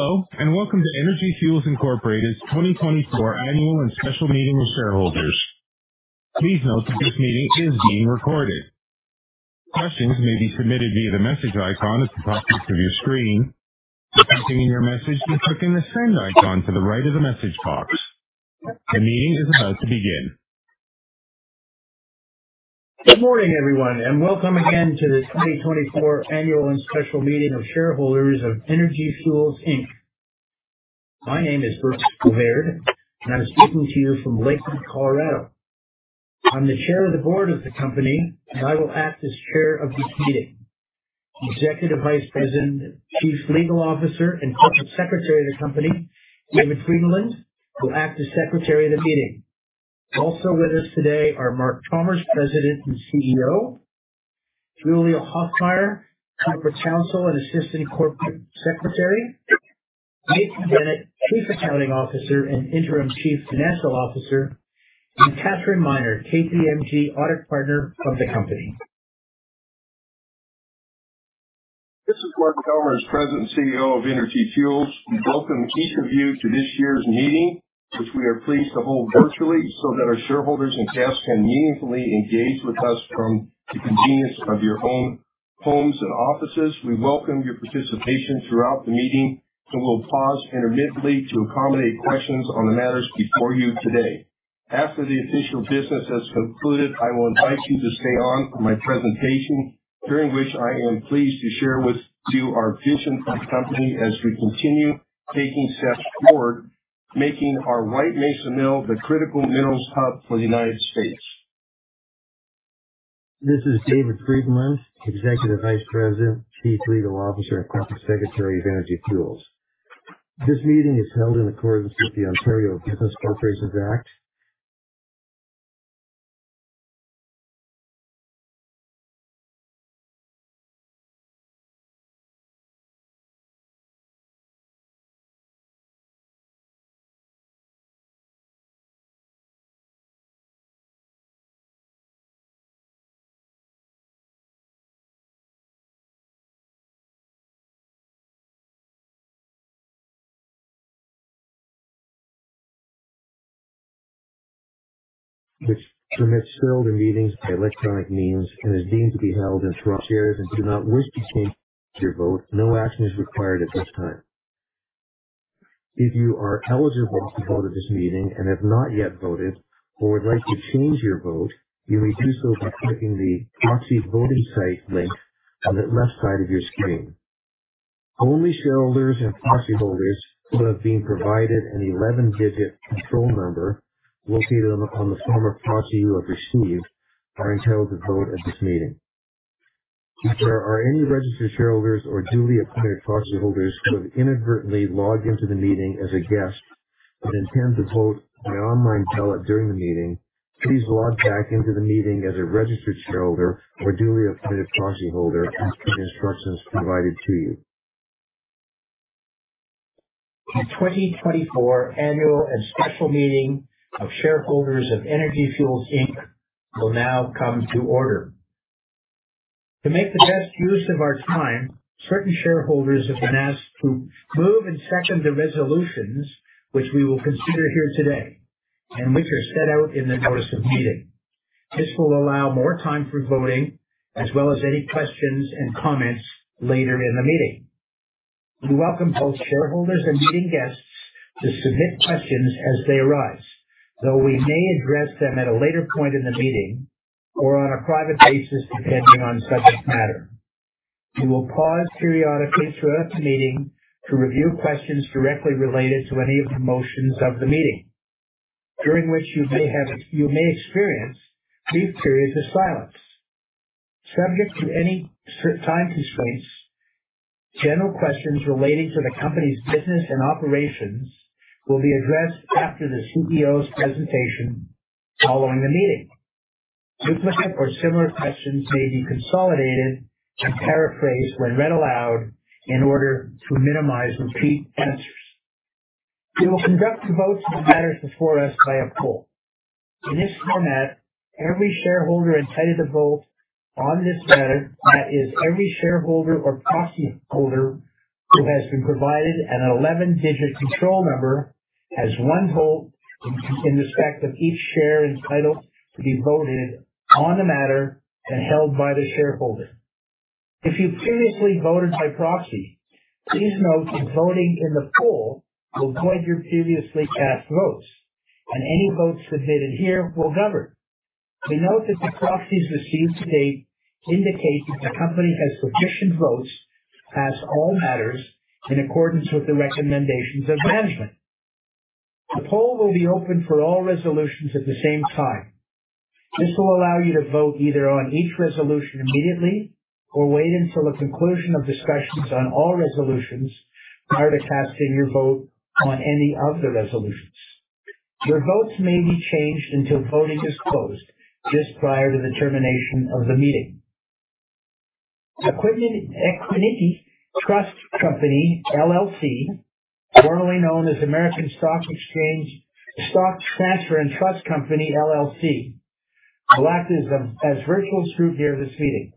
Hello, and welcome to Energy Fuels Incorporated's 2024 Annual and Special Meeting of Shareholders. Please note that this meeting is being recorded. Questions may be submitted via the message icon at the bottom of your screen. After entering your message, you click on the send icon to the right of the message box. The meeting is about to begin. Good morning, everyone, and welcome again to the 2024 Annual and Special Meeting of Shareholders of Energy Fuels Inc. My name is J. Birks Bovaird, and I'm speaking to you from Lakewood, Colorado. I'm the chair of the board of the company, and I will act as chair of this meeting. Executive Vice President, Chief Legal Officer, and Corporate Secretary of the company, David C. Frydenlund, will act as Secretary of the meeting. Also with us today are Mark Chalmers, President and CEO; Julia C. Hoffmeier, Corporate Counsel and Assistant Corporate Secretary; Nathan Bennett, Chief Accounting Officer and Interim Chief Financial Officer; and Katherine Minor, KPMG Audit Partner of the company. This is Mark Chalmers, President and CEO of Energy Fuels. We welcome each of you to this year's meeting, which we are pleased to hold virtually so that our shareholders and guests can meaningfully engage with us from the convenience of your own homes and offices. We welcome your participation throughout the meeting, and we'll pause intermittently to accommodate questions on the matters before you today. After the official business has concluded, I will invite you to stay on for my presentation, during which I am pleased to share with you our vision for the company as we continue taking steps toward making our White Mesa Mill the critical minerals hub for the United States. This is David Frydenlund, Executive Vice President, Chief Legal Officer, and Corporate Secretary of Energy Fuels. This meeting is held in accordance with the Ontario Business Corporations Act, which permits shareholder meetings by electronic means and is deemed to be held in Toronto. Shareholders who do not wish to change your vote, no action is required at this time. If you are eligible to vote at this meeting and have not yet voted or would like to change your vote, you may do so by clicking the proxy voting site link on the left side of your screen. Only shareholders and proxy holders who have been provided an 11-digit control number located on the form of proxy you have received are entitled to vote at this meeting. If there are any registered shareholders or duly appointed proxy holders who have inadvertently logged into the meeting as a guest and intend to vote by online ballot during the meeting, please log back into the meeting as a registered shareholder or duly appointed proxy holder as per the instructions provided to you. The 2024 Annual and Special Meeting of Shareholders of Energy Fuels Inc. will now come to order. To make the best use of our time, certain shareholders have been asked to move and second the resolutions, which we will consider here today and which are set out in the notice of meeting. This will allow more time for voting as well as any questions and comments later in the meeting. We welcome both shareholders and meeting guests to submit questions as they arise, though we may address them at a later point in the meeting or on a private basis, depending on the subject matter. We will pause periodically throughout the meeting to review questions directly related to any of the motions of the meeting, during which you may experience brief periods of silence. Subject to any certain time constraints, general questions relating to the company's business and operations will be addressed after the CEO's presentation following the meeting. Duplicate or similar questions may be consolidated and paraphrased when read aloud in order to minimize repeat answers. We will conduct the votes on the matters before us by a poll. In this format, every shareholder is entitled to vote on this matter. That is, every shareholder or proxy holder who has been provided an 11-digit control number has one vote in respect of each share, entitled to be voted on the matter and held by the shareholder. If you previously voted by proxy, please note that voting in the poll will void your previously cast votes, and any votes submitted here will govern. We note that the proxies received to date indicate that the company has sufficient votes to pass all matters in accordance with the recommendations of management. The poll will be open for all resolutions at the same time. This will allow you to vote either on each resolution immediately or wait until the conclusion of discussions on all resolutions prior to casting your vote on any of the resolutions. Your votes may be changed until voting is closed just prior to the termination of the meeting. Equiniti Trust Company, LLC, formerly known as American Stock Transfer & Trust Company, LLC, will act as virtual scrutineer of this meeting.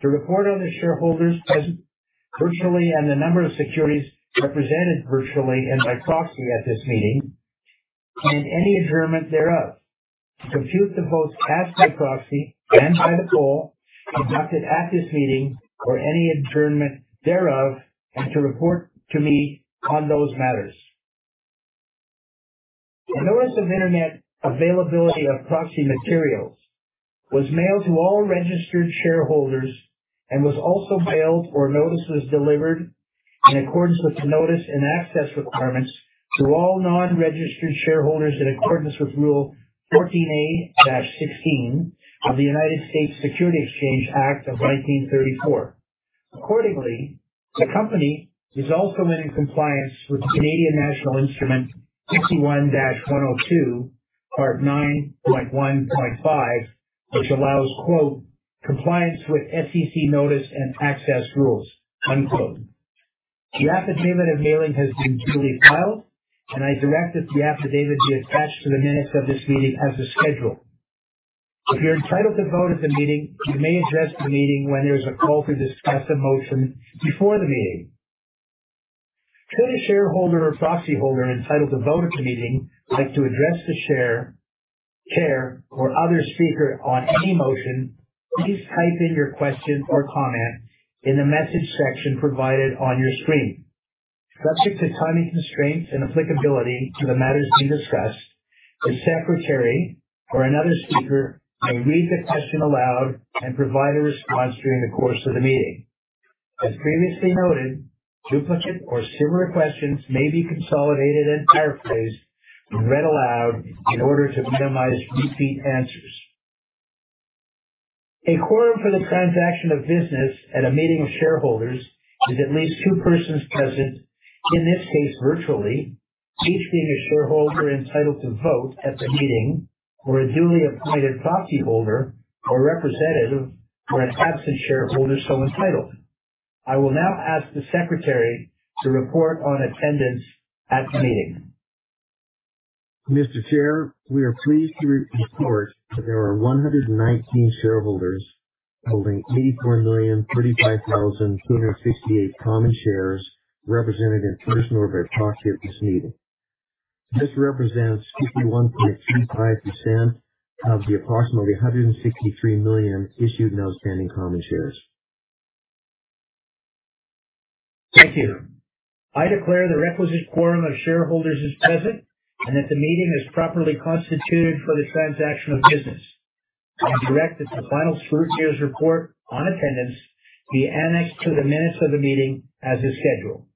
To report on the shareholders present virtually and the number of securities represented virtually and by proxy at this meeting, and any adjournment thereof. To compute the votes cast by proxy and by the poll conducted at this meeting, or any adjournment thereof, and to report to me on those matters. A notice of Internet availability of proxy materials was mailed to all registered shareholders and was also mailed or notices delivered in accordance with the notice and access requirements to all non-registered shareholders in accordance with Rule 14a-16 of the United States Securities Exchange Act of 1934. Accordingly, the company is also in compliance with Canadian National Instrument 51-102, Part 9.1.5, which allows, "Compliance with SEC notice and access rules,". The affidavit of mailing has been duly filed, and I direct that the affidavit be attached to the minutes of this meeting as a schedule. If you're entitled to vote at the meeting, you may address the meeting when there's a call to discuss a motion before the meeting. Should a shareholder or proxy holder entitled to vote at the meeting like to address the Chair or other speaker on any motion, please type in your question or comment in the message section provided on your screen. Subject to timing constraints and applicability to the matters to be discussed, the secretary or another speaker may read the question aloud and provide a response during the course of the meeting. As previously noted, duplicate or similar questions may be consolidated and paraphrased and read aloud in order to minimize repeat answers. A quorum for the transaction of business at a meeting of shareholders is at least two persons present, in this case, virtually, each being a shareholder entitled to vote at the meeting, or a duly appointed proxyholder, or representative for an absent shareholder so entitled. I will now ask the secretary to report on attendance at the meeting. Mr. Chair, we are pleased to report that there are 119 shareholders holding 84,035,268 common shares represented in person or by proxy at this meeting. This represents 61.35% of the approximately 163 million issued and outstanding common shares. Thank you. I declare the requisite quorum of shareholders is present, and that the meeting is properly constituted for the transaction of business. I direct that the final scrutineer's report on attendance be annexed to the minutes of the meeting as a schedule.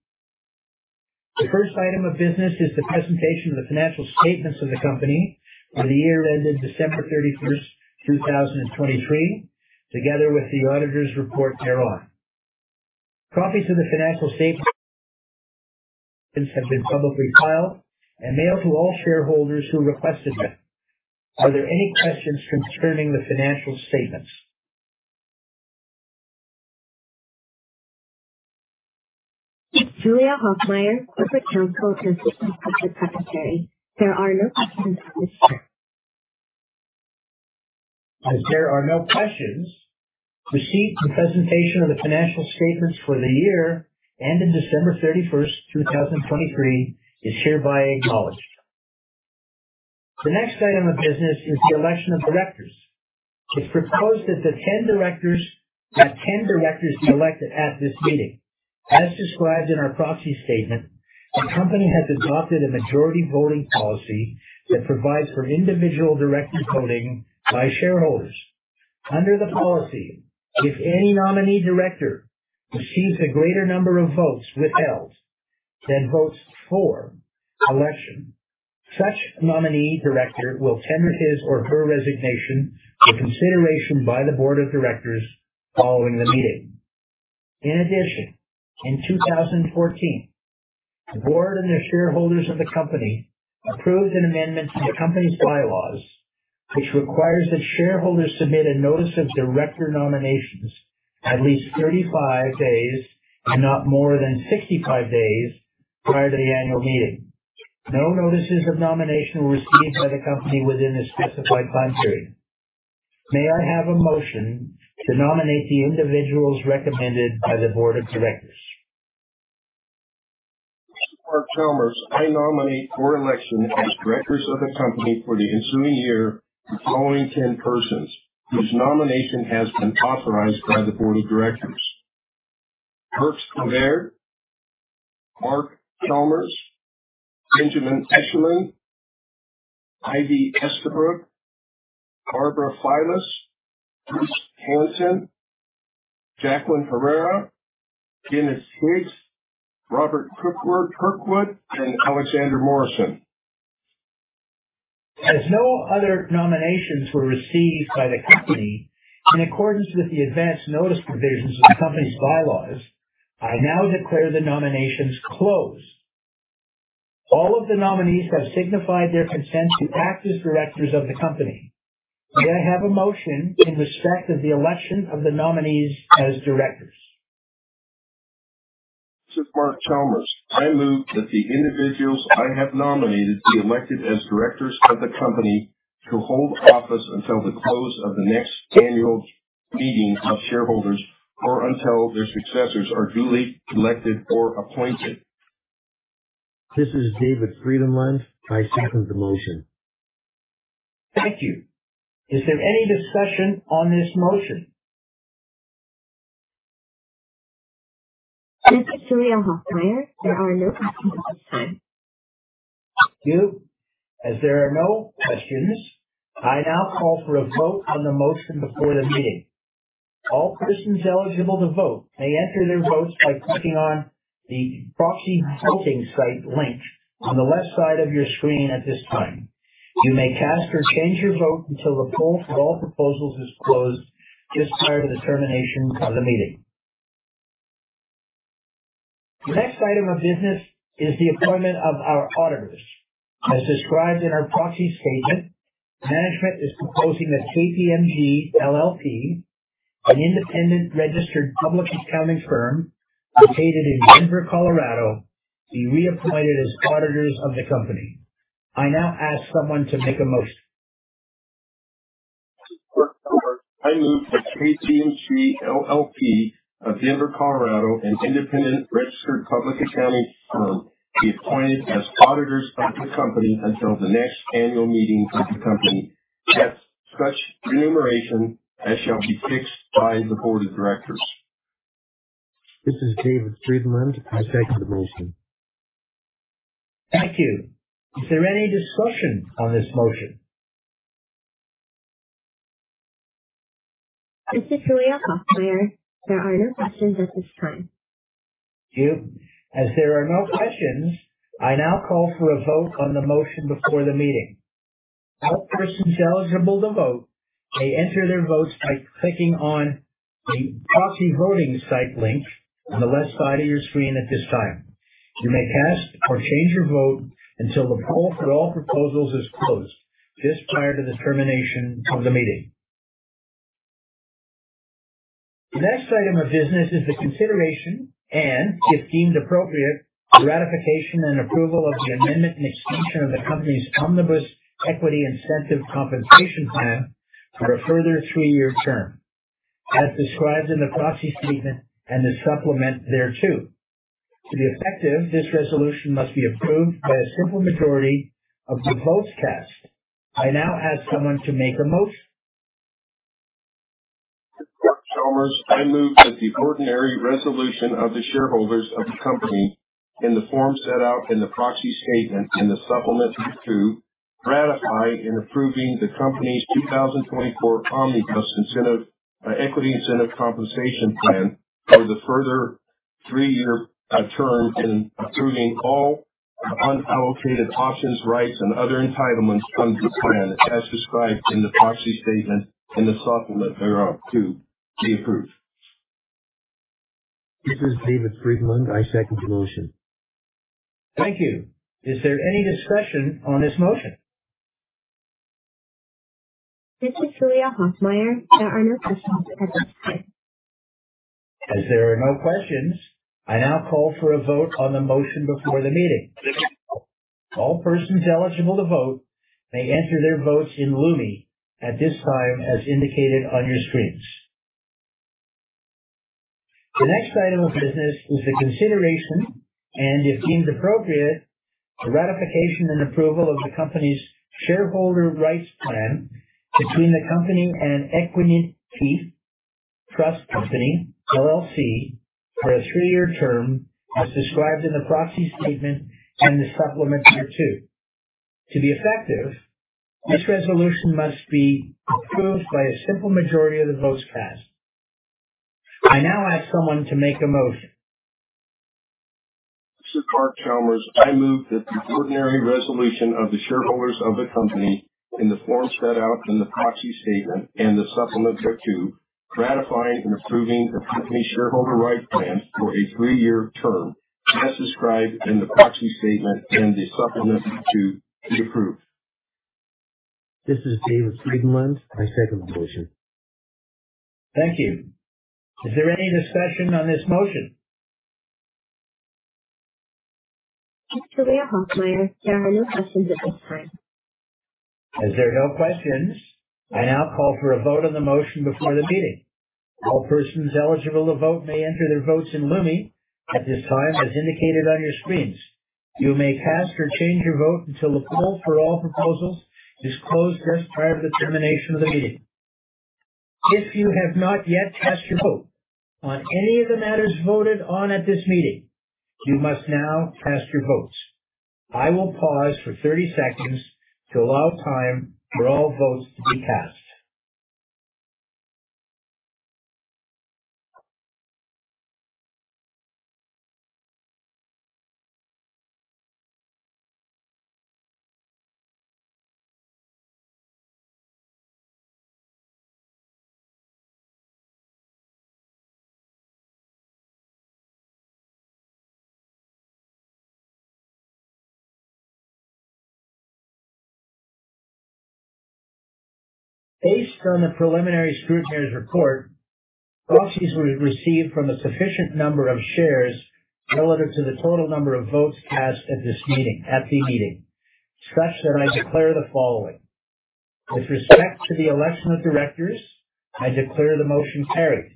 The first item of business is the presentation of the financial statements of the company for the year ended December 31, 2023, together with the auditor's report thereon. Copies of the financial statements have been publicly filed and mailed to all shareholders who requested them. Are there any questions concerning the financial statements? Julia C. Hoffmeier, Corporate Counsel and Assistant Corporate Secretary. There are no questions at this time. As there are no questions, receipt and presentation of the financial statements for the year ended December 31, 2023, is hereby acknowledged. The next item of business is the election of directors. It's proposed that 10 directors be elected at this meeting. As described in our proxy statement, the company has adopted a majority voting policy that provides for individual director voting by shareholders. Under the policy, if any nominee director receives a greater number of votes withheld than votes for election, such nominee director will tender his or her resignation for consideration by the board of directors following the meeting. In addition, in 2014, the board and the shareholders of the company approved an amendment to the company's bylaws, which requires that shareholders submit a notice of director nominations at least 35 days and not more than 65 days prior to the annual meeting. No notices of nomination were received by the company within the specified time period. May I have a motion to nominate the individuals recommended by the board of directors? Mark Chalmers, I nominate for election as directors of the company for the ensuing year, the following ten persons, whose nomination has been authorized by the board of directors: J. Birks Bovaird, Mark Chalmers, Benjamin Eshleman, Ivy Estabrooke, Barbara Filas, Bruce Hansen, Jaqueline Herrera, Dennis Higgs, Robert Kirkwood, and Alexander Morrison. As no other nominations were received by the company, in accordance with the advance notice provisions of the company's bylaws, I now declare the nominations closed. All of the nominees have signified their consent to act as directors of the company. May I have a motion in respect of the election of the nominees as directors? This is Mark Chalmers. I move that the individuals I have nominated be elected as directors of the company to hold office until the close of the next annual meeting of shareholders, or until their successors are duly elected or appointed. This is David Frydenlund. I second the motion. Thank you. Is there any discussion on this motion? This is Julia Hoffmeier. There are no questions at this time. Thank you. As there are no questions, I now call for a vote on the motion before the meeting. All persons eligible to vote may enter their votes by clicking on the proxy voting site link on the left side of your screen at this time. You may cast or change your vote until the poll for all proposals is closed, just prior to the termination of the meeting. The next item of business is the appointment of our auditors. As described in our proxy statement, management is proposing that KPMG LLP, an independent registered public accounting firm located in Denver, Colorado, be reappointed as auditors of the company. I now ask someone to make a motion. This is Mark Chalmers. I move that KPMG LLP of Denver, Colorado, an independent registered public accounting firm, be appointed as auditors of the company until the next annual meeting of the company, at such remuneration as shall be fixed by the board of directors. This is David Frydenlund. I second the motion. Thank you. Is there any discussion on this motion? This is Julia Hoffmeier. There are no questions at this time. Thank you. As there are no questions, I now call for a vote on the motion before the meeting. All persons eligible to vote may enter their votes by clicking on the proxy voting site link on the left side of your screen at this time. You may cast or change your vote until the poll for all proposals is closed, just prior to the termination of the meeting. The next item of business is the consideration, and if deemed appropriate, the ratification and approval of the amendment and extension of the company's Omnibus Equity Incentive Compensation Plan for a further three-year term, as described in the proxy statement and the supplement thereto. To be effective, this resolution must be approved by a simple majority of the votes cast. I now ask someone to make a motion. This is Mark Chalmers. I move that the ordinary resolution of the shareholders of the company, in the form set out in the proxy statement and the supplement thereto, ratifying and approving the company's 2024 Omnibus Equity Incentive Compensation Plan for the further three-year term, and approving all unallocated options, rights, and other entitlements under the plan, as described in the proxy statement and the supplement thereof, be approved. This is David C. Frydenlund. I second the motion. Thank you. Is there any discussion on this motion? This is Julia Hoffmeier. There are no questions at this time. As there are no questions, I now call for a vote on the motion before the meeting. All persons eligible to vote may enter their votes in Lumi at this time, as indicated on your screens. The next item of business is the consideration, and if deemed appropriate, the ratification and approval of the company's shareholder rights plan between the company and Equiniti Trust Company, LLC, for a three-year term, as described in the proxy statement and the supplement thereto. To be effective, this resolution must be approved by a simple majority of the votes cast. I now ask someone to make a motion. This is Mark Chalmers. I move that the ordinary resolution of the shareholders of the company, in the form set out in the proxy statement and the supplement thereto, ratifying and approving the company's shareholder rights plan for a three-year term, as described in the proxy statement and the supplement thereto, be approved. This is David C. Frydenlund. I second the motion. Thank you. Is there any discussion on this motion? This is Julia Hoffmeier. There are no questions at this time. As there are no questions, I now call for a vote on the motion before the meeting. All persons eligible to vote may enter their votes in Lumi at this time, as indicated on your screens. You may cast or change your vote until the poll for all proposals is closed just prior to the termination of the meeting. If you have not yet cast your vote on any of the matters voted on at this meeting, you must now cast your votes. I will pause for 30 seconds to allow time for all votes to be cast. Based on the preliminary scrutineer's report, proxies were received from a sufficient number of shares relative to the total number of votes cast at this meeting, at the meeting, such that I declare the following: With respect to the election of directors, I declare the motion carried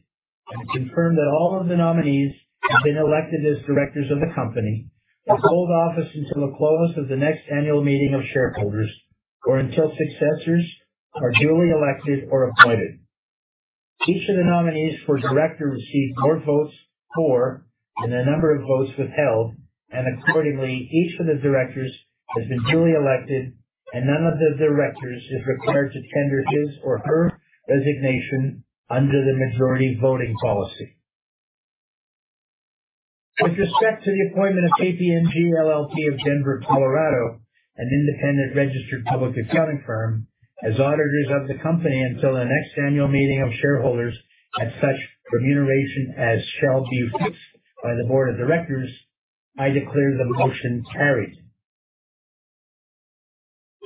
and confirm that all of the nominees have been elected as directors of the company and hold office until the close of the next annual meeting of shareholders, or until successors are duly elected or appointed. Each of the nominees for director received more votes for than the number of votes withheld, and accordingly, each of the directors has been duly elected and none of the directors is required to tender his or her resignation under the majority voting policy. With respect to the appointment of KPMG LLP of Denver, Colorado, an independent registered public accounting firm, as auditors of the company until the next annual meeting of shareholders at such remuneration as shall be fixed by the board of directors, I declare the motion carried.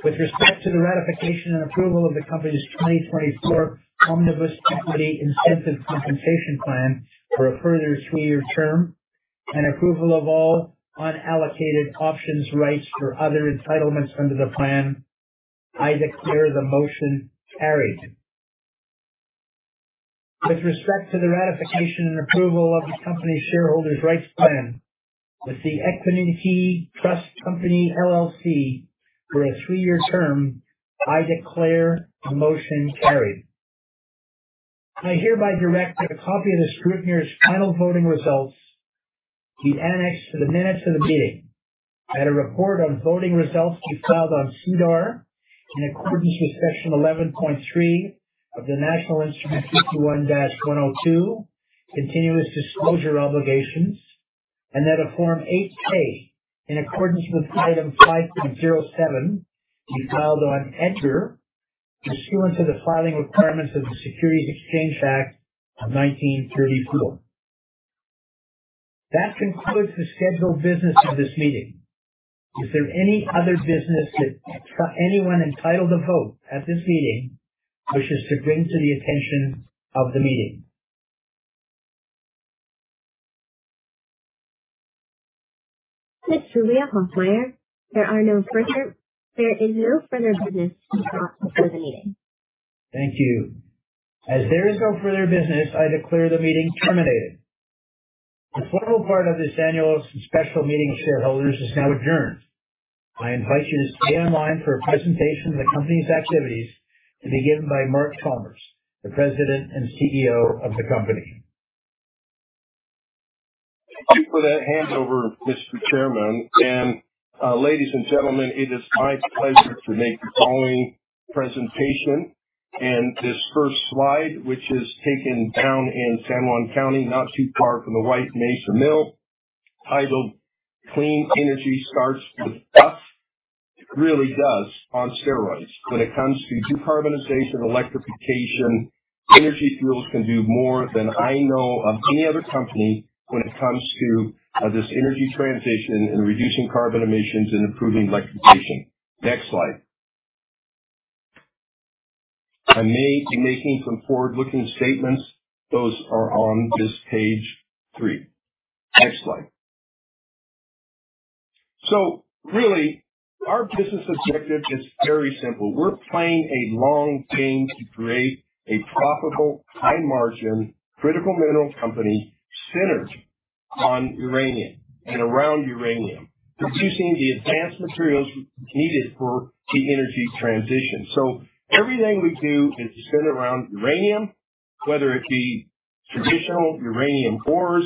With respect to the ratification and approval of the company's 2024 Omnibus Equity Incentive Compensation Plan for a further three-year term, and approval of all unallocated options, rights, or other entitlements under the plan, I declare the motion carried. With respect to the ratification and approval of the company's Shareholder Rights Plan with the Equiniti Trust Company, LLC, for a three-year term, I declare the motion carried. I hereby direct that a copy of the scrutineer's final voting results be annexed to the minutes of the meeting, that a report on voting results be filed on SEDAR in accordance with Section 11.3 of the National Instrument 51-102 continuous disclosure obligations, and that a Form 8-K, in accordance with Item 5.07, be filed on EDGAR pursuant to the filing requirements of the Securities Exchange Act of 1934. That concludes the scheduled business of this meeting. Is there any other business that anyone entitled to vote at this meeting wishes to bring to the attention of the meeting? It's Julia Hoffmeier. There is no further business to the meeting. Thank you. As there is no further business, I declare the meeting terminated. The formal part of this annual special meeting of shareholders is now adjourned. I invite you to stay online for a presentation of the company's activities to be given by Mark Chalmers, the President and CEO of the company. Thank you for that handover, Mr. Chairman, and, ladies and gentlemen, it is my pleasure to make the following presentation. This first slide, which is taken down in San Juan County, not too far from the White Mesa Mill, titled Clean Energy Starts with Us. It really does on steroids. When it comes to decarbonization, electrification, Energy Fuels can do more than I know of any other company when it comes to this energy transition and reducing carbon emissions and improving electrification. Next slide. I may be making some forward-looking statements. Those are on this page three. Next slide. Really, our business objective is very simple. We're playing a long game to create a profitable, high margin, critical minerals company centered on uranium and around uranium, producing the advanced materials needed for the energy transition. So everything we do is centered around uranium, whether it be traditional uranium ores,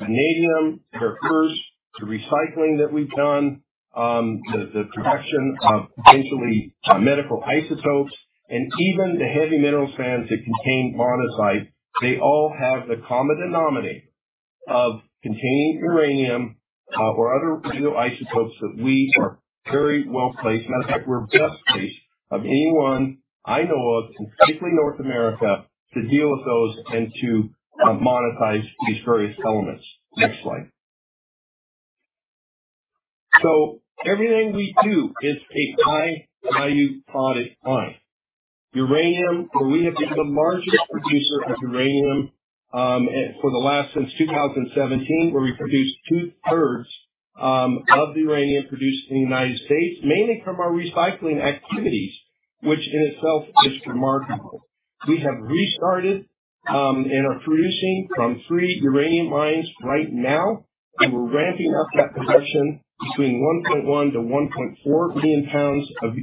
vanadium, rare earths, the recycling that we've done, the production of potentially medical isotopes, and even the heavy mineral sands that contain monazite. They all have the common denominator of containing uranium, or other radioisotopes that we are very well placed. Matter of fact, we're best placed of anyone I know of in safely North America to deal with those and to, monetize these various elements. Next slide. So everything we do is a high-value product line. Uranium, we have been the largest producer of uranium, and for the last... since 2017, where we produced two-thirds, of the uranium produced in the United States, mainly from our recycling activities, which in itself is remarkable. We have restarted and are producing from three uranium mines right now, and we're ramping up that production between 1.1-1.4 billion pounds of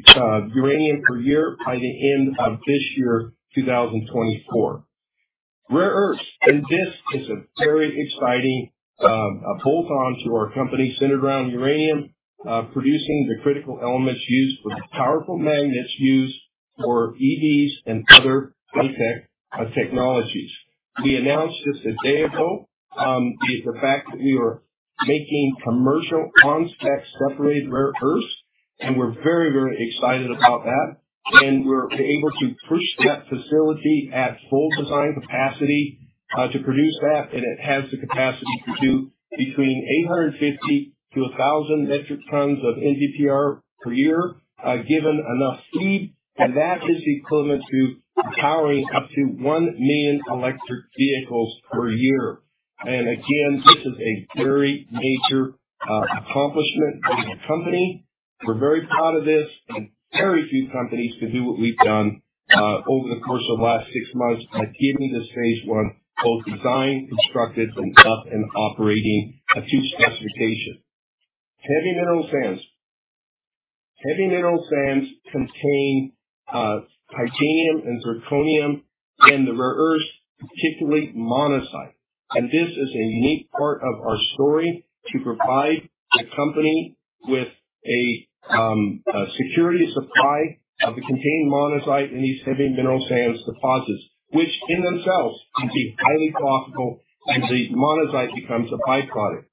uranium per year by the end of this year, 2024. Rare earths, and this is a very exciting bolt-on to our company, centered around uranium, producing the critical elements used for the powerful magnets used for EVs and other high-tech technologies. We announced this a day ago. The fact that we are making commercial spec separated rare earths, and we're very, very excited about that. And we're able to push that facility at full design capacity. To produce that, and it has the capacity to do between 850-1,000 metric tons of NdPr per year, given enough feed, and that is equivalent to powering up to 1 million electric vehicles per year. And again, this is a very major, accomplishment for the company. We're very proud of this, and very few companies can do what we've done, over the course of the last 6 months by getting this phase 1, both designed, constructed, and up, and operating to specification. Heavy mineral sands. Heavy mineral sands contain titanium and zirconium and the rare earths, particularly monazite, and this is a unique part of our story to provide the company with a security supply of the contained monazite in these heavy mineral sands deposits, which in themselves can be highly profitable as the monazite becomes a byproduct.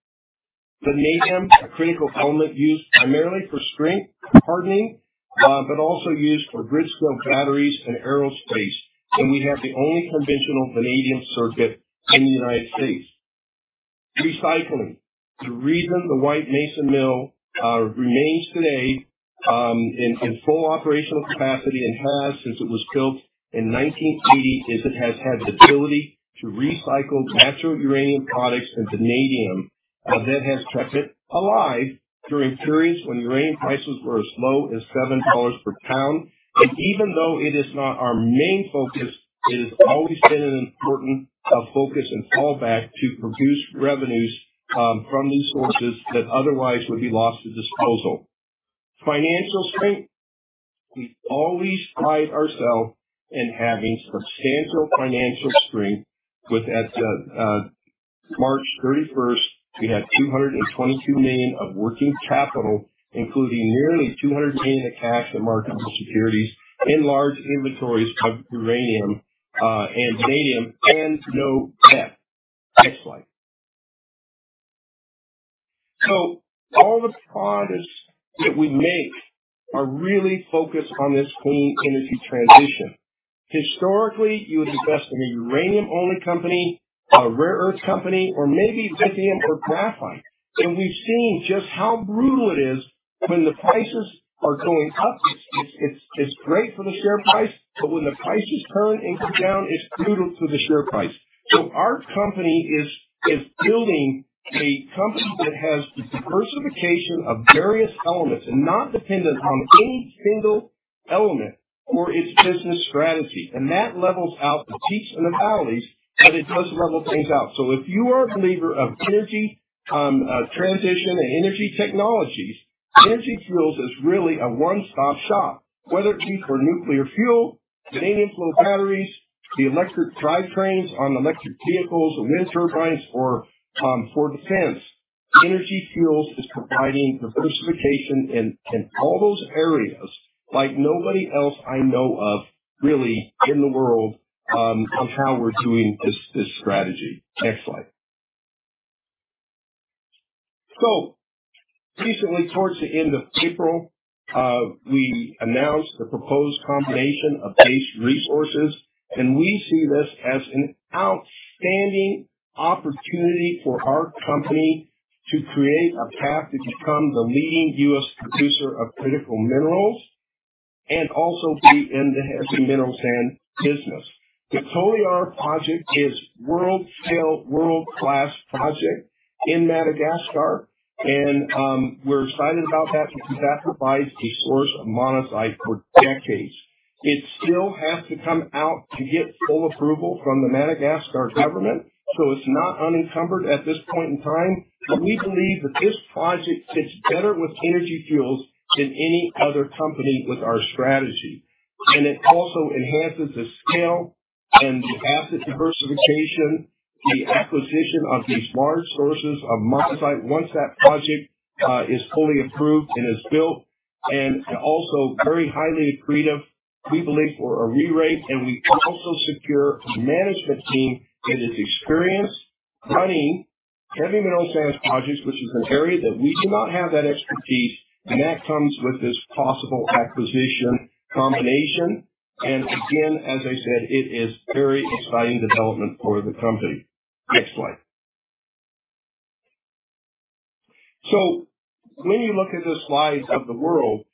Vanadium, a critical element used primarily for strength, hardening, but also used for grid-scale batteries and aerospace, and we have the only conventional vanadium circuit in the United States. Recycling. The reason the White Mesa Mill remains today in full operational capacity and has since it was built in 1980 is it has had the ability to recycle natural uranium products and vanadium that has kept it alive during periods when uranium prices were as low as $7 per pound. And even though it is not our main focus, it has always been an important focus and fallback to produce revenues from these sources that otherwise would be lost to disposal. Financial strength. We always pride ourselves in having substantial financial strength, with as of March 31st, we had $222 million of working capital, including nearly $200 million in cash and marketable securities and large inventories of uranium and vanadium and no debt. Next slide. So all the products that we make are really focused on this clean energy transition. Historically, you would invest in a uranium-only company, a rare earth company, or maybe lithium or graphite. And we've seen just how brutal it is when the prices are going up. It's great for the share price, but when the prices turn and come down, it's brutal for the share price. So our company is building a company that has the diversification of various elements and not dependent on any single element for its business strategy. And that levels out the peaks and the valleys, but it does level things out. So if you are a believer of energy transition and energy technologies, Energy Fuels is really a one-stop shop. Whether it be for nuclear fuel, vanadium flow batteries, the electric drivetrains on electric vehicles and wind turbines, or for defense, Energy Fuels is providing diversification in all those areas like nobody else I know of really in the world, on how we're doing this strategy. Next slide. So recently, towards the end of April, we announced the proposed combination of Base Resources, and we see this as an outstanding opportunity for our company to create a path to become the leading U.S. producer of critical minerals and also be in the heavy mineral sands business. The Toliara project is world-scale, world-class project in Madagascar, and, we're excited about that because that provides a source of monazite for decades. It still has to come out to get full approval from the Madagascar government, so it's not unencumbered at this point in time. But we believe that this project fits better with Energy Fuels than any other company with our strategy. And it also enhances the scale and the asset diversification, the acquisition of these large sources of monazite, once that project is fully approved and is built, and also very highly accretive, we believe, for a rerate. And we also secure a management team that is experienced running heavy mineral sands projects, which is an area that we do not have that expertise, and that comes with this possible acquisition combination. And again, as I said, it is very exciting development for the company. Next slide. So when you look at the slides of the world,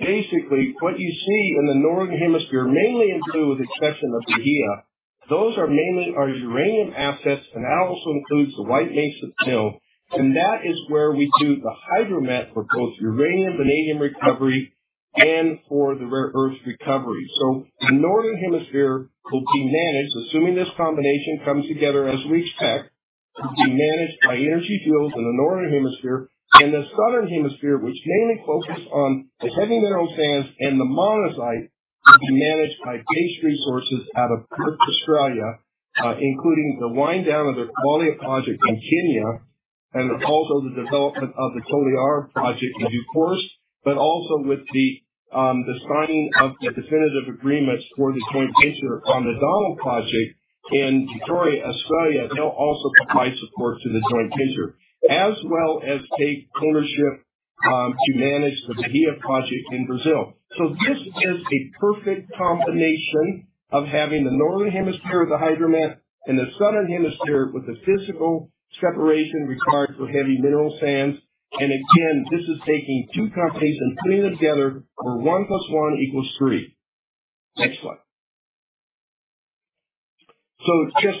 basically what you see in the Northern Hemisphere, mainly include the exception of Bahia. Those are mainly our uranium assets, and that also includes the White Mesa Mill, and that is where we do the hydromet for both uranium, vanadium recovery, and for the rare earths recovery. So the Northern Hemisphere will be managed, assuming this combination comes together as we expect, to be managed by Energy Fuels in the Northern Hemisphere and the Southern Hemisphere, which mainly focuses on the heavy mineral sands and the monazite, to be managed by Base Resources out of Perth, Australia, including the wind down of their Kwale Project in Kenya and also the development of the Toliara Project in due course, but also with the signing of the definitive agreements for the joint venture on the Donald Project in Victoria, Australia. They'll also provide support to the joint venture, as well as take ownership to manage the Bahia Project in Brazil. So this is a perfect combination of having the northern hemisphere of the hydromet and the southern hemisphere with the physical separation required for heavy mineral sands. And again, this is taking two companies and putting them together, where one plus one equals three. Next slide. So just,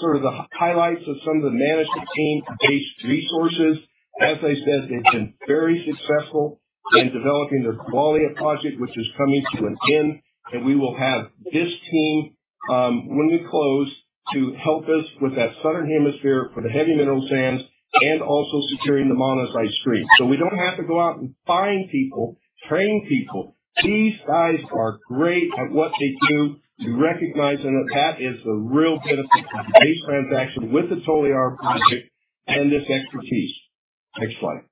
sort of the highlights of some of the management team, Base Resources. As I said, they've been very successful in developing the Kwale Project, which is coming to an end, and we will have this team, when we close, to help us with that southern hemisphere for the heavy mineral sands and also securing the monazite stream. So we don't have to go out and find people, train people. These guys are great at what they do. We recognize that, that is the real benefit of the Base transaction with the Toliara Project and this expertise. Next slide.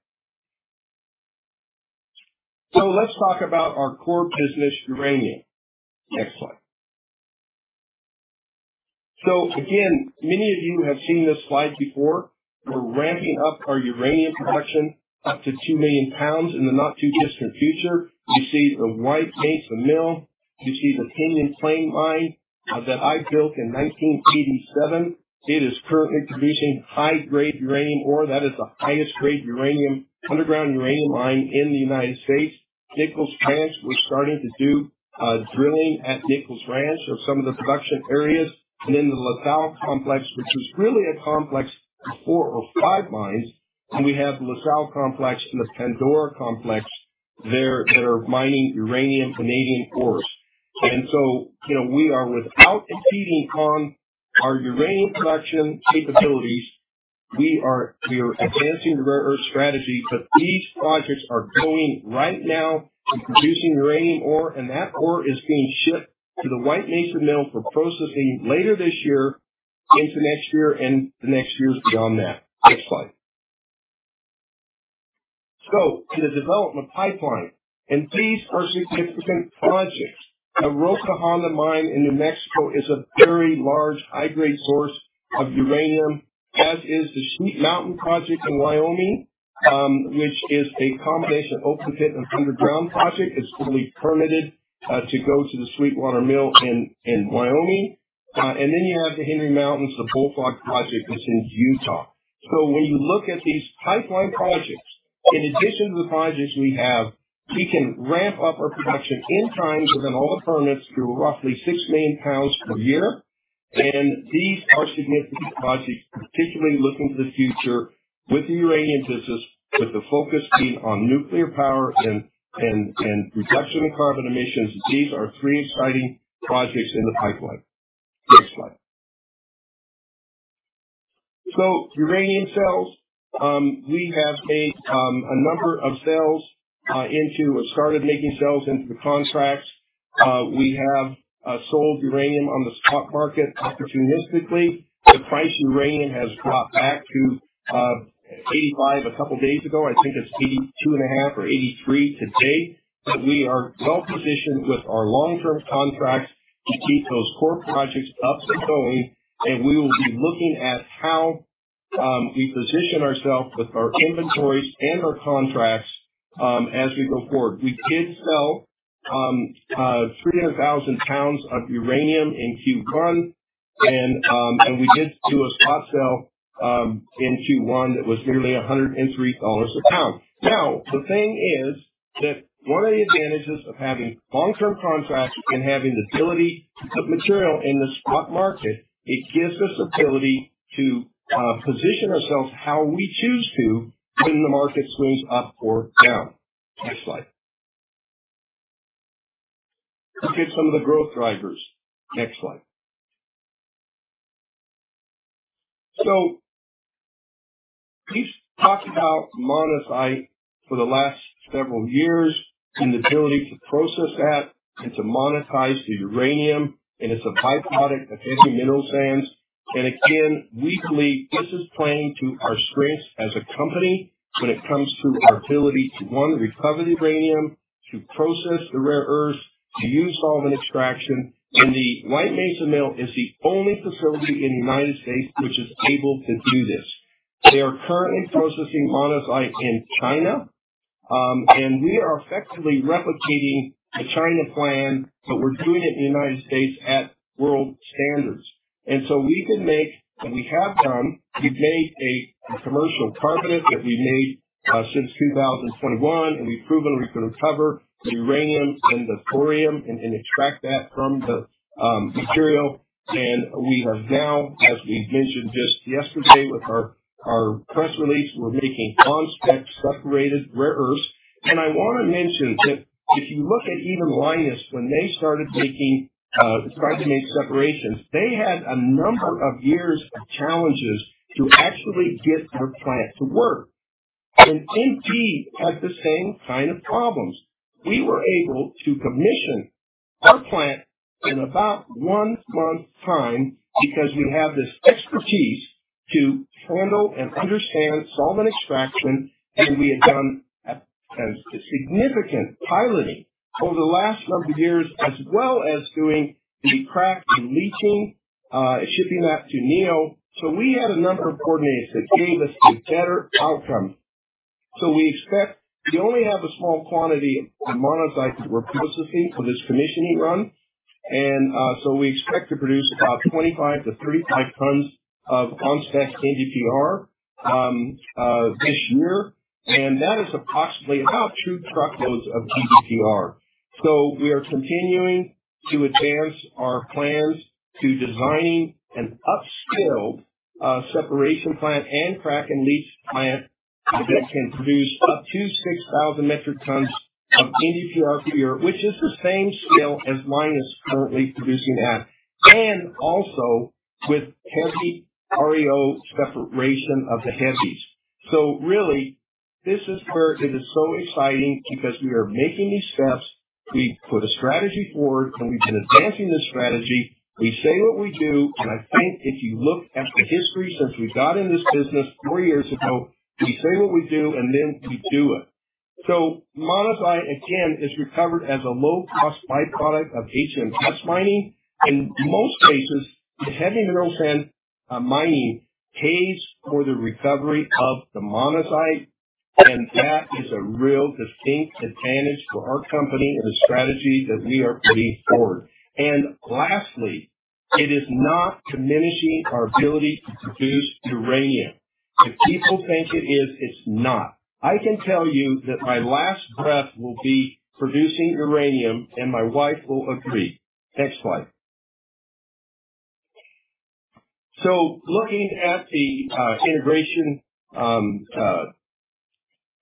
So let's talk about our core business, uranium. Next slide. So again, many of you have seen this slide before. We're ramping up our uranium production up to 2 million pounds in the not-too-distant future. You see the White Mesa Mill. You see the Pinyon Plain Mine that I built in 1987. It is currently producing high-grade uranium ore. That is the highest grade uranium, underground uranium mine in the United States. Nichols Ranch, we're starting to do drilling at Nichols Ranch of some of the production areas. And then the La Sal Complex, which is really a complex of 4 or 5 mines, and we have the La Sal Complex and the Pandora there that are mining uranium, Canadian ores. And so, you know, we are without impeding on our uranium production capabilities, we are advancing the rare earth strategy. But these projects are going right now and producing uranium ore, and that ore is being shipped to the White Mesa Mill for processing later this year, into next year, and the next years beyond that. Next slide. So to the development pipeline, and these are significant projects. The Roca Honda Mine in New Mexico is a very large, high-grade source of uranium, as is the Sheep Mountain Project in Wyoming, which is a combination of open pit and underground project. It's fully permitted to go to the Sweetwater Mill in Wyoming. And then you have the Henry Mountains, the Bullfrog Project that's in Utah. So when you look at these pipeline projects, in addition to the projects we have, we can ramp up our production in time to then all of a sudden, it's to roughly 6 million pounds per year. These are significant projects, particularly looking to the future with the uranium business, with the focus being on nuclear power and reduction in carbon emissions. These are three exciting projects in the pipeline. Next slide. Uranium sales, we have made a number of sales into or started making sales into the contracts. We have sold uranium on the spot market opportunistically. The price of uranium has dropped back to $85 a couple days ago. I think it's $82.5 or $83 today, but we are well positioned with our long-term contracts to keep those core projects up and going, and we will be looking at how we position ourselves with our inventories and our contracts as we go forward. We did sell 300,000 pounds of uranium in Q1, and we did do a spot sale in Q1 that was nearly $103 a pound. Now, the thing is that one of the advantages of having long-term contracts and having the ability to put material in the spot market, it gives us ability to position ourselves how we choose to when the market swings up or down. Next slide. Let's get some of the growth drivers. Next slide. So we've talked about monazite for the last several years and the ability to process that and to monetize the uranium, and it's a byproduct of heavy mineral sands. Again, we believe this is playing to our strengths as a company when it comes to our ability to, one, recover the uranium, to process the rare earths, to use solvent extraction. The White Mesa Mill is the only facility in the United States which is able to do this. They are currently processing monazite in China, and we are effectively replicating the China plan, but we're doing it in the United States at world standards. So we can make, and we have done, we made a commercial commitment that we made since 2021, and we've proven we can recover the uranium and the thorium and extract that from the material. We have now, as we mentioned just yesterday with our press release, we're making NdPr separated rare earths. And I want to mention that if you look at even Lynas, when they started making, started to make separations, they had a number of years of challenges to actually get their plant to work. And MP had the same kind of problems. We were able to commission our plant in about one month time because we have this expertise to handle and understand solvent extraction, and we have done and significant piloting over the last number of years, as well as doing the crack and leach, shipping that to Neo. So we had a number of coordinates that gave us a better outcome. So we expect we only have a small quantity of monazite to repurpose for this commissioning run. And, so we expect to produce about 25-35 tons of on-spec NdPr this year, and that is approximately about 2 truckloads of NdPr. So we are continuing to advance our plans to design an upscaled separation plant and crack and leach plant that can produce up to 6,000 metric tons of NdPr per year, which is the same scale as Lynas is currently producing at, and also with heavy REO separation of the heavies. So really, this is where it is so exciting because we are making these steps. We put a strategy forward and we've been advancing the strategy. We say what we do, and I think if you look at the history since we got in this business 3 years ago, we say what we do, and then we do it. So monazite, again, is recovered as a low-cost by-product of HMS mining. In most cases, the heavy mineral sand mining pays for the recovery of the monazite, and that is a real distinct advantage for our company and the strategy that we are putting forward. And lastly, it is not diminishing our ability to produce uranium. If people think it is, it's not. I can tell you that my last breath will be producing uranium, and my wife will agree. Next slide. So looking at the integration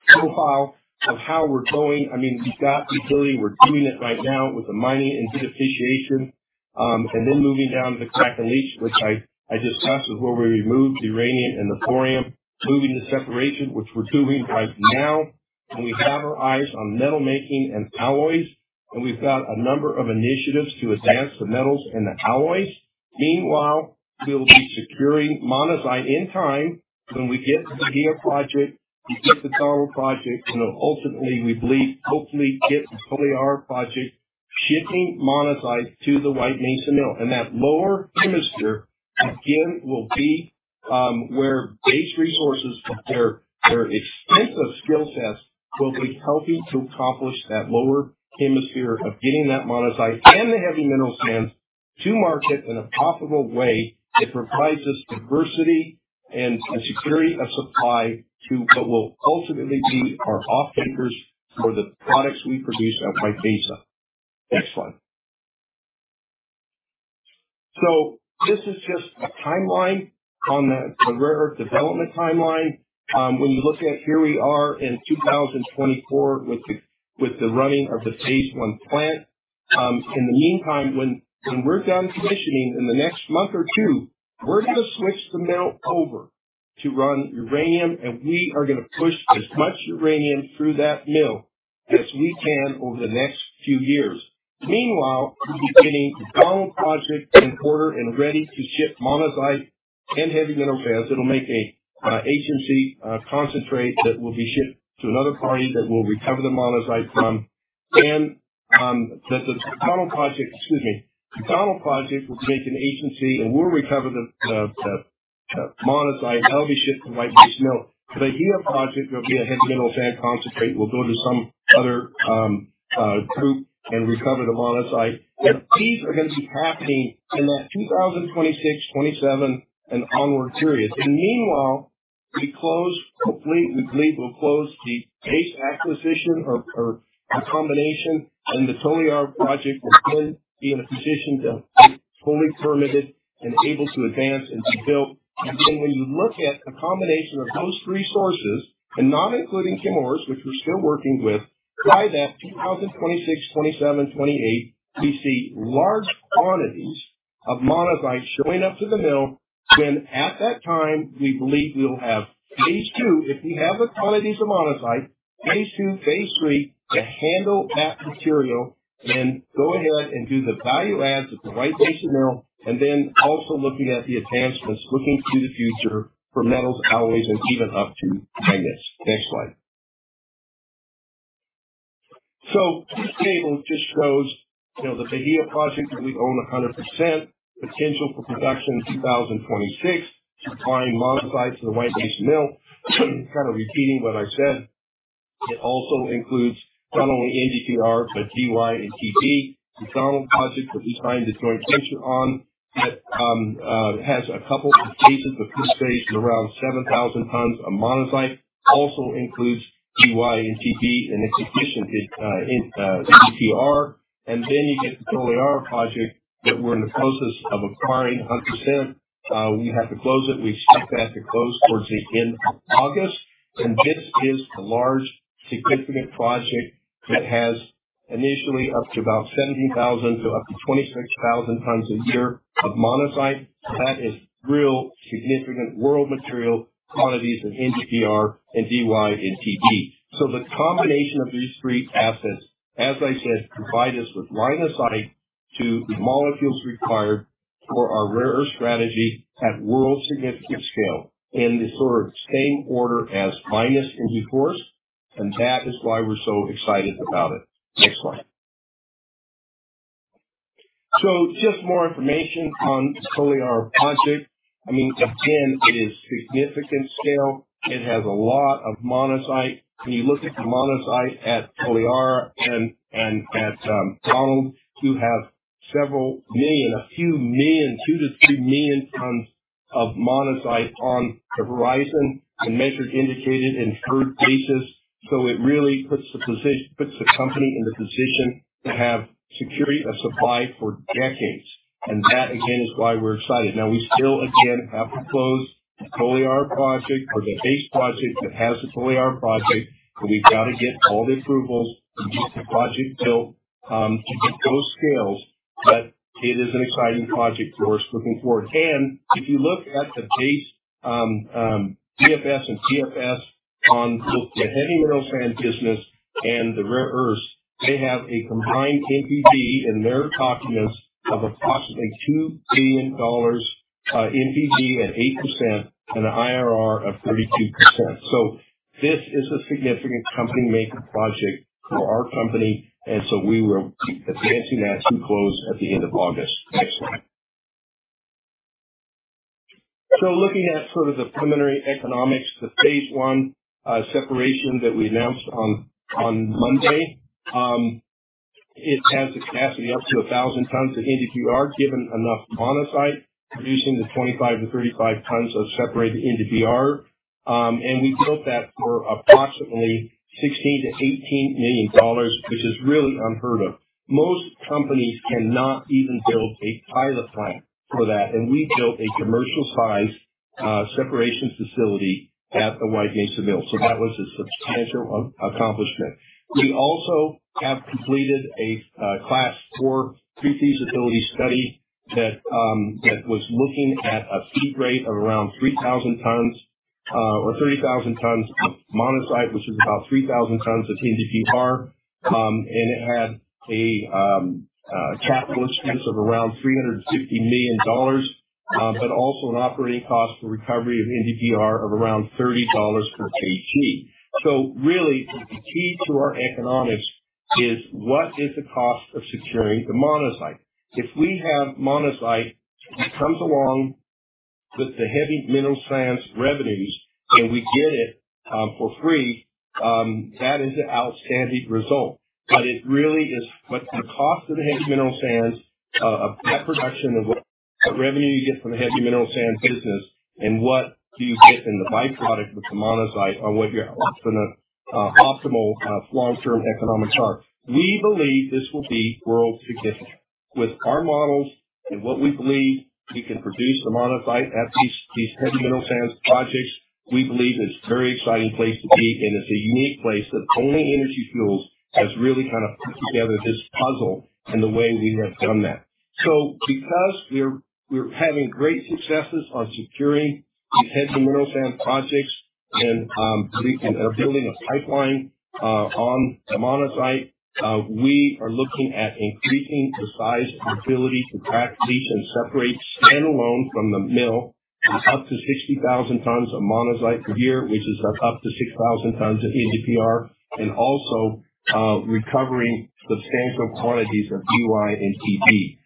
profile of how we're going, I mean, we've got the facility, we're doing it right now with the mining and beneficiation, and then moving down to the crack and leach, which I discussed, is where we remove the uranium and the thorium. Moving to separation, which we're doing right now. We have our eyes on metal making and alloys, and we've got a number of initiatives to advance the metals and the alloys. Meanwhile, we'll be securing monazite in time when we get the Bahia Project, we get the Donald Project, and then ultimately, we believe, hopefully get the Toliara Project, shipping monazite to the White Mesa Mill. And that lower hemisphere again, will be where Base Resources and their, their extensive skill sets will be helping to accomplish that lower hemisphere of getting that monazite and the heavy mineral sands to market in a profitable way. It provides us diversity and the security of supply to what will ultimately be our off-takers for the products we produce at White Mesa. Next slide. So this is just a timeline on the rare earth development timeline. When you look at here we are in 2024 with the running of the phase one plant. In the meantime, when we're done commissioning in the next month or two, we're going to switch the mill over to run uranium, and we are going to push as much uranium through that mill as we can over the next few years. Meanwhile, we'll be getting the Donald Project in quarter and ready to ship monazite and heavy mineral sands. It'll make a heavy mineral concentrate that will be shipped to another party that we'll recover the monazite from. The Donald Project, excuse me, the Donald Project will make an HMC, and we'll recover the monazite that will be shipped to White Mesa Mill. The Bahia Project will be a heavy mineral sands concentrate, will go to some other group and recover the monazite. These are going to be happening in that 2026, 2027, and onward period. Meanwhile, we close, hopefully, we believe we'll close the Base acquisition or a combination, and the Toliara Project will then be in a position to be fully permitted and able to advance and be built. Then when you look at the combination of those three sources, and not including Chemours, which we're still working with, by that 2026, 2027, 2028, we see large quantities of monazite showing up to the mill. At that time, we believe we'll have phase two. If we have the quantities of monazite, phase two, phase three, to handle that material and go ahead and do the value adds at the White Mesa Mill, and then also looking at the advancements, looking to the future for metals, alloys, and even up to magnets. Next slide. So this table just shows, you know, the Bahia Project that we own 100%, potential for production in 2026, supplying monazite to the White Mesa Mill. Kind of repeating what I said. It also includes not only NdPr, but Dy and Tb. The Donald Project, that we signed a joint venture on, that has a couple of cases of concentration around 7,000 tons of monazite, also includes Dy and Tb and in addition to NdPr. Then you get the Toliara project that we're in the process of acquiring 100%. We have to close it. We expect that to close towards the end of August. And this is a large significant project that has initially up to about 17,000-26,000 tons a year of monazite. That is real significant world material quantities in NdPr and Dy and Tb. So the combination of these three assets, as I said, provide us with monazite to the molecules required for our rare earth strategy at world significant scale, in the sort of same order as Lynas in due course, and that is why we're so excited about it. Next slide. So just more information on the Toliara project. I mean, again, it is significant scale. It has a lot of monazite. When you look at the monazite at Toliara and at Donald, you have several million, a few million, 2-3 million tons of monazite on the horizon and measured, indicated, and inferred basis. So it really puts the company in the position to have security of supply for decades. And that, again, is why we're excited. Now, we still, again, have to close the Toliara Project or the Base project that has the Toliara Project, but we've got to get all the approvals to get the project built, to get those scales. But it is an exciting project for us looking forward. And if you look at the Base DFS and PFS on the heavy mineral sand business and the rare earths, they have a combined NPV in their documents of approximately $2 billion, NPV at 8% and an IRR of 32%. So this is a significant company maker project for our company, and so we will be advancing that to close at the end of August. Next slide. So looking at sort of the preliminary economics, the phase one separation that we announced on Monday, it has a capacity up to 1,000 tons of NdPr, given enough monazite, producing the 25-35 tons of separated NdPr. And we built that for approximately $16 million-$18 million, which is really unheard of. Most companies cannot even build a pilot plant for that, and we built a commercial-sized separation facility at the White Mesa Mill. So that was a substantial accomplishment. We also have completed a class four pre-feasibility study that was looking at a feed rate of around 3,000 tons or 30,000 tons of monazite, which is about 3,000 tons of NdPr. And it had a capital expense of around $350 million but also an operating cost for recovery of NdPr of around $30 per kg. So really, the key to our economics is what is the cost of securing the monazite? If we have monazite that comes along with the heavy mineral sands revenues, and we get it for free, that is an outstanding result. But it really is... What the cost of the heavy mineral sands, of that production of what, what revenue you get from the heavy mineral sands business, and what do you get in the byproduct with the monazite on what your optimal, optimal, long-term economics are. We believe this will be world significant. With our models and what we believe we can produce the monazite at these, these heavy mineral sands projects, we believe it's a very exciting place to be, and it's a unique place that only Energy Fuels has really kind of put together this puzzle in the way we have done that. So because we're, we're having great successes on securing these heavy mineral sands projects and, we can. Are building a pipeline on the monazite. We are looking at increasing the size and ability to crack, leach, and separate, stand alone from the mill, up to 60,000 tons of monazite per year, which is up to 6,000 tons of NdPr, and also recovering substantial quantities of Dy and Tb.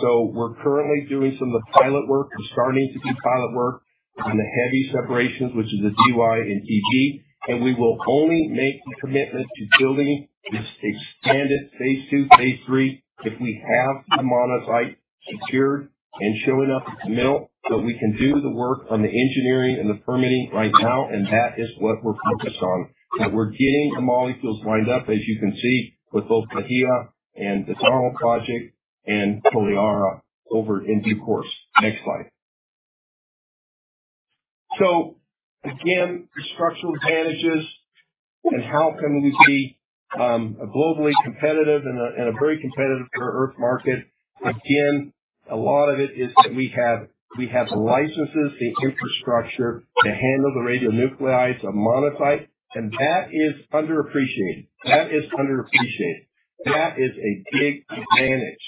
So we're currently doing some of the pilot work. We're starting to do pilot work on the heavy separations, which is the Dy and Tb, and we will only make the commitment to building this expanded phase II, phase III, if we have the monazite secured and showing up at the mill. But we can do the work on the engineering and the permitting right now, and that is what we're focused on, that we're getting the molecules lined up, as you can see, with both Bahia and the Donald Project and Toliara over in due course. Next slide. So again, structural advantages and how can we be globally competitive in a very competitive rare earth market? Again, a lot of it is that we have the licenses, the infrastructure to handle the radionuclides of monazite, and that is underappreciated. That is underappreciated. That is a big advantage.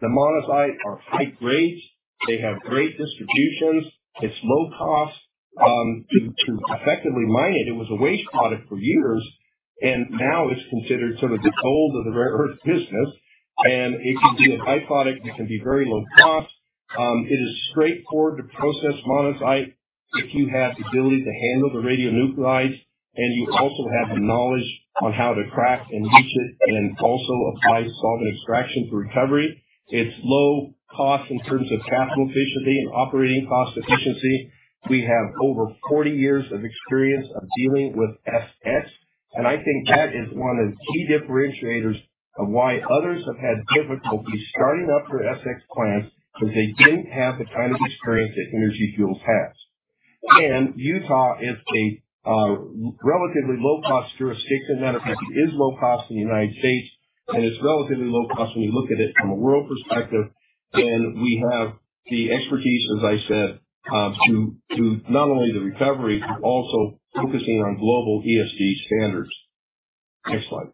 The monazite are high grades. They have great distributions. It's low cost to effectively mine it. It was a waste product for years, and now it's considered sort of the gold of the rare earth business. And it can be a by-product. It can be very low cost. It is straightforward to process monazite if you have the ability to handle the radionuclides, and you also have the knowledge on how to track and leach it, and also apply solvent extraction for recovery. It's low cost in terms of capital efficiency and operating cost efficiency. We have over 40 years of experience of dealing with SX, and I think that is one of the key differentiators of why others have had difficulty starting up their SX plants, because they didn't have the kind of experience that Energy Fuels has. And Utah is a relatively low-cost jurisdiction. As a matter of fact, it is low cost in the United States, and it's relatively low cost when you look at it from a world perspective. We have the expertise, as I said, to not only the recovery, but also focusing on global ESG standards. Next slide.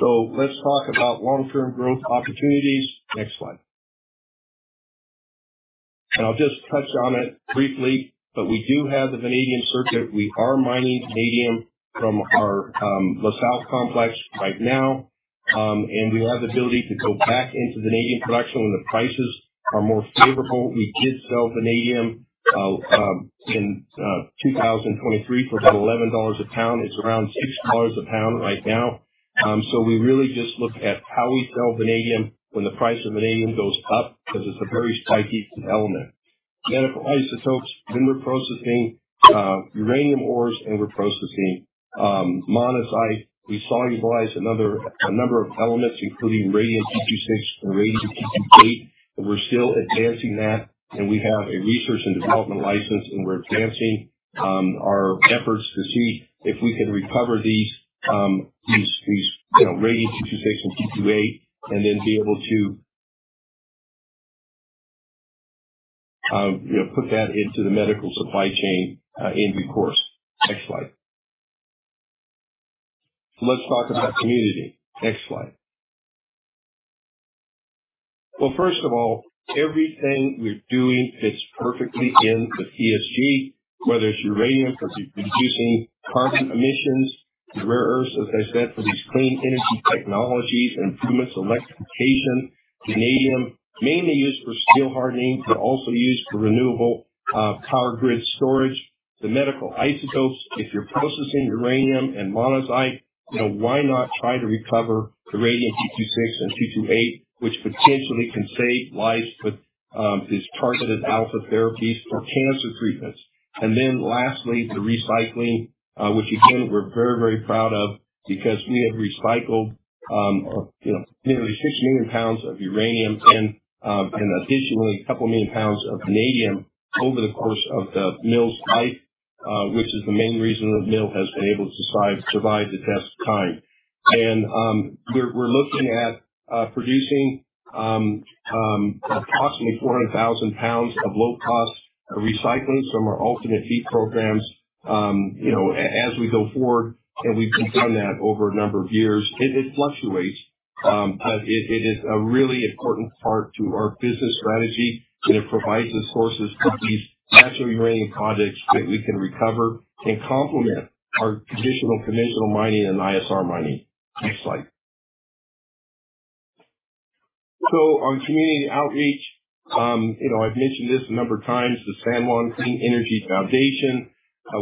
Let's talk about long-term growth opportunities. Next slide. I'll just touch on it briefly, but we do have the vanadium circuit. We are mining vanadium from our La Sal Complex right now. And we have the ability to go back into vanadium production when the prices are more favorable. We did sell vanadium in 2023 for about $11 a pound. It's around $6 a pound right now. We really just look at how we sell vanadium when the price of vanadium goes up, because it's a very strategic element. Medical isotopes, when we're processing uranium ores and we're processing monazite, we solubilize a number of elements, including radium-226 and radium-228. We're still advancing that, and we have a research and development license, and we're advancing our efforts to see if we can recover these, you know, radium-226 and 228, and then be able to, you know, put that into the medical supply chain in due course. Next slide. Let's talk about community. Next slide. Well, first of all, everything we're doing fits perfectly in the ESG, whether it's uranium, because it's reducing carbon emissions, the rare earths, as I said, for these clean energy technologies, improvements in electrification, vanadium, mainly used for steel hardening, but also used for renewable power grid storage. The medical isotopes, if you're processing uranium and monazite, you know, why not try to recover the radium-226 and radium-228, which potentially can save lives with these targeted alpha therapies for cancer treatments? And then lastly, the recycling, which again, we're very, very proud of because we have recycled, you know, nearly 6 million pounds of uranium and additionally, 2 million pounds of vanadium over the course of the mill's life, which is the main reason the mill has been able to survive the test of time. And we're looking at producing approximately 400,000 pounds of low-cost recycling from our alternate feed programs, you know, as we go forward, and we've done that over a number of years. It fluctuates, but it is a really important part to our business strategy, and it provides the sources for these natural uranium projects that we can recover and complement our traditional conventional mining and ISR mining. Next slide. So on community outreach, you know, I've mentioned this a number of times, the San Juan Clean Energy Foundation.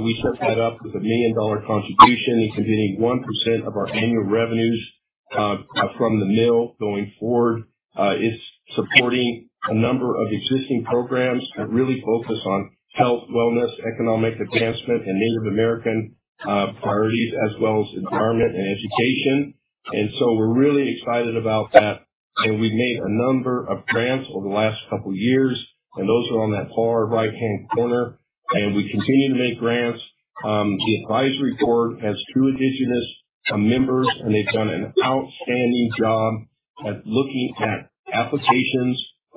We set that up with a $1 million contribution and continuing 1% of our annual revenues from the mill going forward. It's supporting a number of existing programs that really focus on health, wellness, economic advancement, and Native American priorities, as well as environment and education. And so we're really excited about that. And we've made a number of grants over the last couple of years, and those are on that far right-hand corner, and we continue to make grants. The advisory board has two indigenous members, and they've done an outstanding job at looking at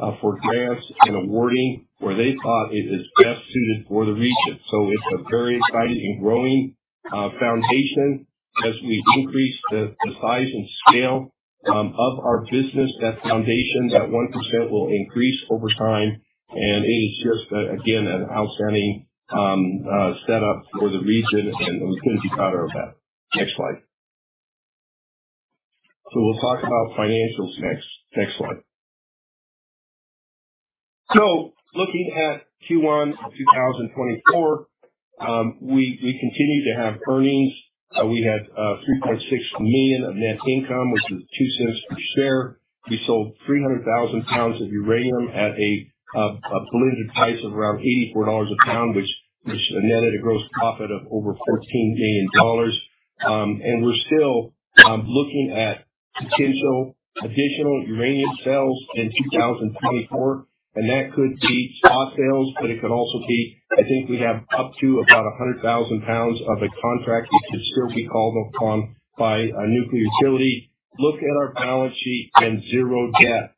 applications for grants and awarding where they thought it is best suited for the region. So it's a very exciting and growing foundation. As we increase the size and scale of our business, that foundation, that 1% will increase over time. And it is just, again, an outstanding setup for the region, and we couldn't be prouder of that. Next slide. So we'll talk about financials next. Next slide. So looking at Q1 of 2024, we continued to have earnings. We had $3.6 million of net income, which is $0.02 per share. We sold 300,000 pounds of uranium at a blended price of around $84 a pound, which netted a gross profit of over $14 million. And we're still looking at potential additional uranium sales in 2024, and that could be spot sales, but it could also be, I think we have up to about 100,000 pounds of a contract, which can still be called upon by a nuclear utility. Look at our balance sheet and zero debt.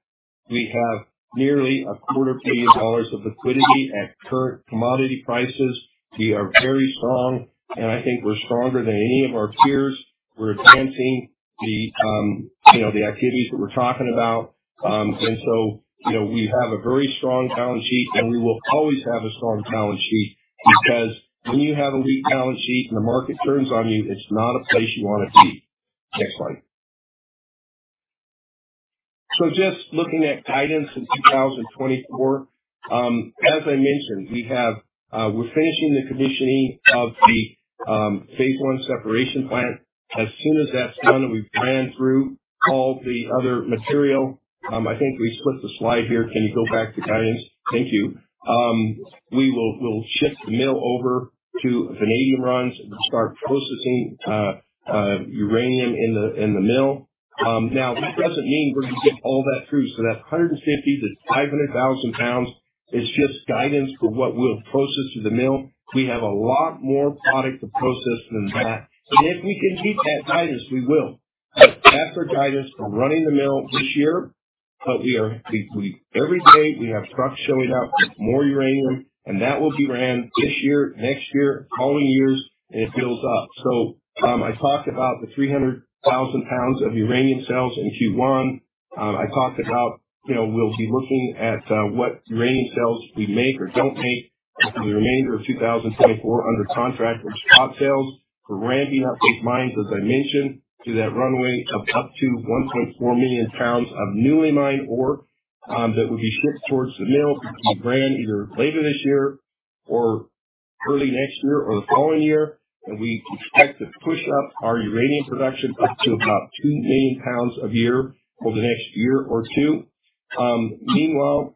We have nearly $250 million of liquidity at current commodity prices. We are very strong, and I think we're stronger than any of our peers. We're advancing the you know, the activities that we're talking about. And so, you know, we have a very strong balance sheet, and we will always have a strong balance sheet because when you have a weak balance sheet and the market turns on you, it's not a place you want to be. Next slide. So just looking at guidance in 2024. As I mentioned, we're finishing the commissioning of the phase I separation plant. As soon as that's done and we've ran through all the other material, I think we split the slide here. Can you go back to guidance? Thank you. We'll shift the mill over to vanadium runs and start processing uranium in the mill. Now, this doesn't mean we're going to get all that through. So that's 150,000-500,000 pounds. It's just guidance for what we'll process through the mill. We have a lot more product to process than that. If we can keep that guidance, we will. That's our guidance for running the mill this year. But every day, we have trucks showing up with more uranium, and that will be ran this year, next year, following years, and it builds up. So, I talked about the 300,000 pounds of uranium sales in Q1. I talked about, you know, we'll be looking at what uranium sales we make or don't make for the remainder of 2024 under contract, which are spot sales for ramping up these mines, as I mentioned, to that runway of up to 1.4 million pounds of newly mined ore, that will be shipped towards the mill to be ran either later this year or early next year or the following year. We expect to push up our uranium production up to about 2 million pounds a year for the next year or two. Meanwhile,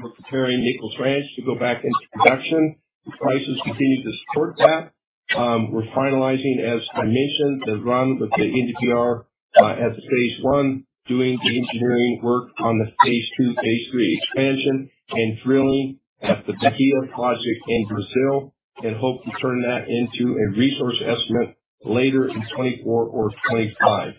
we're preparing Nichols Ranch to go back into production. The prices continue to support that. We're finalizing, as I mentioned, the run with the NdPr, at the phase I, doing the engineering work on the phase II, phase III expansion, and drilling at the Bahia Project in Brazil, and hope to turn that into a resource estimate later in 2024 or 2025.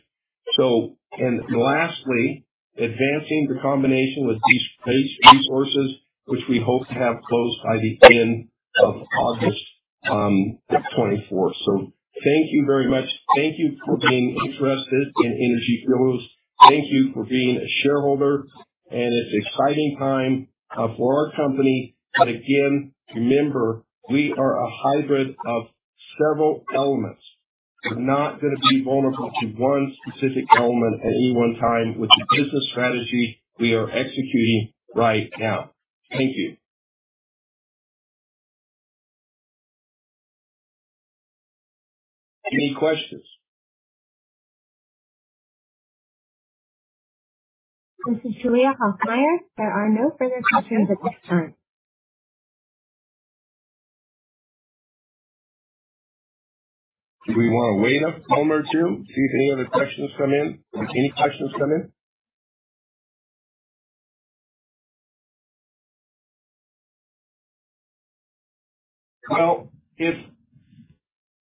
So, and lastly, advancing the combination with Base Resources, which we hope to have closed by the end of August 2024. So thank you very much. Thank you for being interested in Energy Fuels. Thank you for being a shareholder, and it's an exciting time, for our company. But again, remember, we are a hybrid of several elements. We're not going to be vulnerable to one specific element at any one time with the business strategy we are executing right now. Thank you. Any questions? This is Julia Hoffmeier. There are no further questions at this time. Do we want to wait a moment or two to see if any other questions come in? Did any questions come in? Well,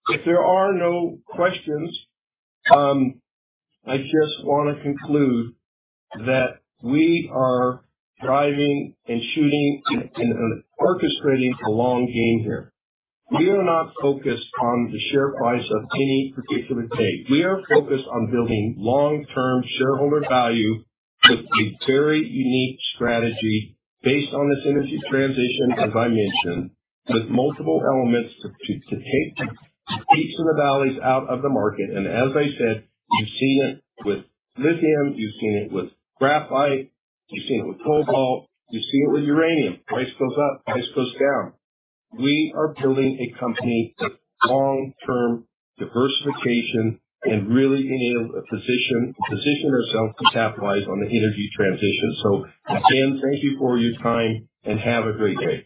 if there are no questions, I just want to conclude that we are driving and shooting and orchestrating the long game here. We are not focused on the share price of any particular day. We are focused on building long-term shareholder value with a very unique strategy based on this energy transition, as I mentioned, with multiple elements to take the peaks and the valleys out of the market. And as I said, you've seen it with lithium, you've seen it with graphite, you've seen it with cobalt, you've seen it with uranium. Price goes up, price goes down. We are building a company with long-term diversification and really in a position to position ourselves to capitalize on the energy transition. Again, thank you for your time and have a great day.